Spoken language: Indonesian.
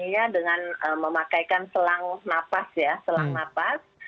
ya bedanya kita tanganinya dengan memakaikan selang nafas ya selang nafas